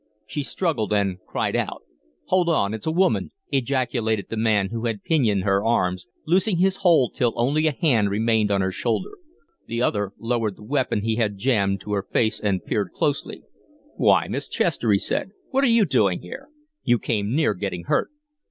She struggled and cried out. "Hold on it's a woman!" ejaculated the man who had pinioned her arms, loosing his hold till only a hand remained on her shoulder. The other lowered the weapon he had jammed to her face and peered closely. "Why, Miss Chester," he said. "What are you doing here? You came near getting hurt."